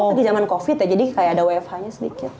tapi zaman covid ya jadi kayak ada wfh nya sedikit